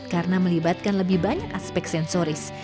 karena melibatkan lebih banyak aspek sensoris